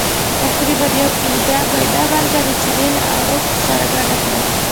تقریبا یو کیلوګرام میده مالګه د چونې له اړوب سره ګډه کړئ.